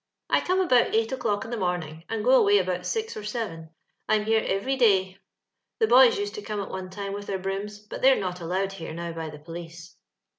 " I come about eight o'clock in the moraing, and go away about six or seven ; I am here every day. The boys used to come at one time with their brooms, but they're not allowed here now by the police.